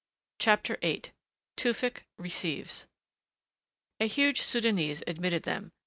CHAPTER VIII TEWFICK RECEIVES A huge Soudanese admitted them.